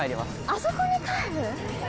あそこに帰る？